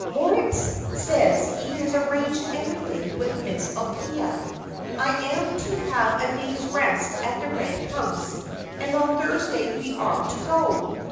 Moritz says he has arranged everything with Miss Althea. I am to have a day's rest at the Red House, and on Thursday we are to go."